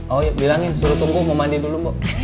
oh ya bilangin suruh tunggu mau mandi dulu mbok